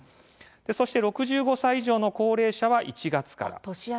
そして６５歳以上の高齢者は１月から。